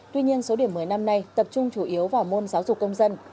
tuy nhiên số điểm một mươi năm nay tập trung chủ yếu vào môn giáo dục công dân